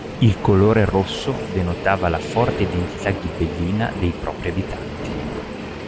Il colore rosso denotava la forte identità ghibellina dei propri abitanti.